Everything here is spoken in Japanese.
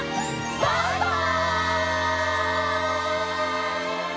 バイバイ！